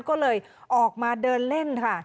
ก็เลยออกมาเดินเล่นค่ะ